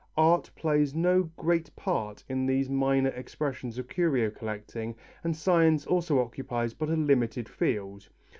Art plays no great part in these minor expressions of curio collecting and science also occupies but a limited field.